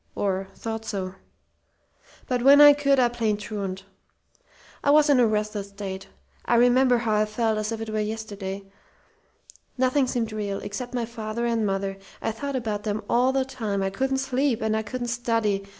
or thought so. "But when I could, I played truant. I was in a restless state. I remember how I felt as if it were yesterday. Nothing seemed real, except my father and mother. I thought about them all the time. I couldn't sleep, and I couldn't study.